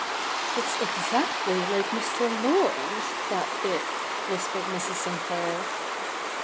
'It's exactly like Mr. Laurence — that bit,' whispered Mrs. Sinclair.